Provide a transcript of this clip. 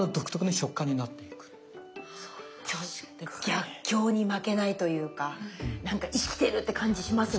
逆境に負けないというかなんか生きてるって感じしますね。